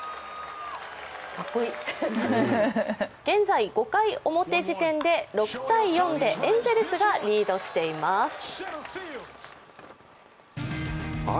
現在、５回表時点で６−４でエンゼルスがリードしています。